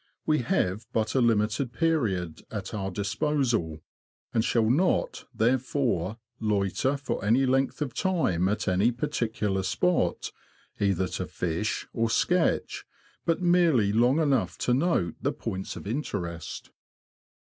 We have but a limited period at our disposal, and shall not, therefore, loiter for any length of time at any particular spot, either to fish or sketch, but merely long enough to note the points of interest.